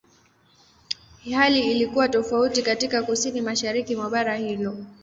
Hali ilikuwa tofauti katika Kusini-Mashariki mwa bara hilo.